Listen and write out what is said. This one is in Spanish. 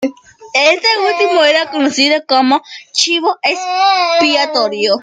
Este último era conocido como chivo expiatorio.